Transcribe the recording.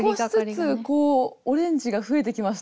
少しずつこうオレンジが増えてきましたね。